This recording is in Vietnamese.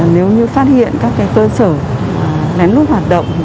nếu như phát hiện các cơ sở lén lút hoạt động